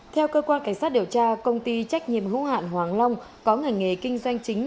theo cơ quan cảnh sát điều tra công ty trách nhiệm hữu hạn hoàng long có ngành nghề kinh doanh chính